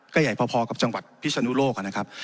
ก็ใหญ่พอกับจังหวัดพิชนุโรค